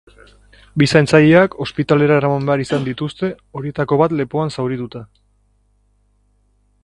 Bi zaintzaileak ospitalera eraman behar izan dituzte, horietako bat lepoan zaurituta.